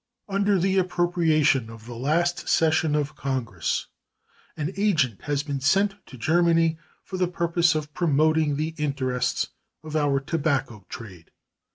Under the appropriation of the last session of Congress an agent has been sent to Germany for the purpose of promoting the interests of our tobacco trade.